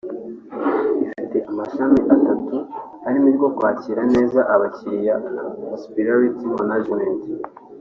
ifite amashami atatu arimo iryo Kwakira neza Abakiliya (Hospitality Management)